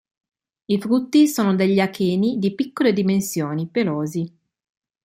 I frutti sono degli acheni di piccole dimensioni, pelosi.